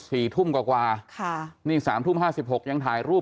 สี่ทุ่มกว่ากว่าค่ะนี่สามทุ่มห้าสิบหกยังถ่ายรูป